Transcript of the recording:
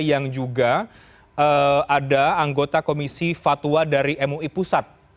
yang juga ada anggota komisi fatwa dari mui pusat